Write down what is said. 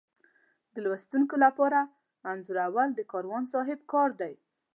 د لوستونکي لپاره انځورول د کاروان صاحب کار دی.